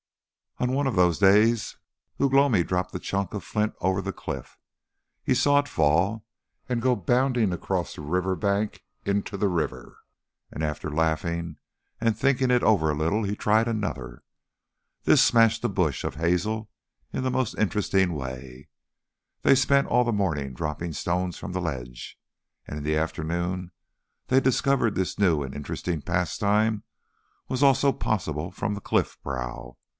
On one of those days Ugh lomi dropped a chunk of flint over the cliff. He saw it fall, and go bounding across the river bank into the river, and after laughing and thinking it over a little he tried another. This smashed a bush of hazel in the most interesting way. They spent all the morning dropping stones from the ledge, and in the afternoon they discovered this new and interesting pastime was also possible from the cliffbrow.